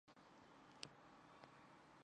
之后王瑜升为辽海卫千户。